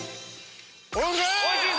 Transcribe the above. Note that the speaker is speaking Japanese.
おいしい！